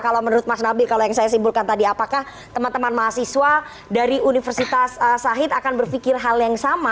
kalau menurut mas nabil kalau yang saya simpulkan tadi apakah teman teman mahasiswa dari universitas sahid akan berpikir hal yang sama